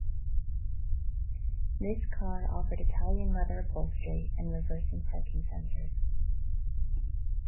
This car offered Italian leather upholstery, and reversing parking sensors.